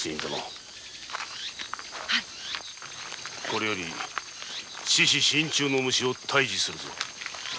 これより「獅子身中の虫」を退治するぞ。